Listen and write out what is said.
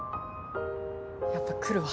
やっぱくるわ。